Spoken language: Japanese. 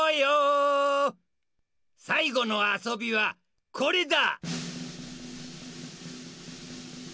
さいごのあそびはこれだ！